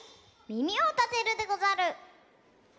みみをたてるでござる。